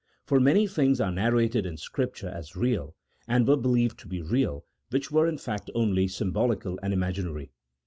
For many things are narrated in Scripture as real, and were believed to be real, which were in fact only symbolical and imaginary.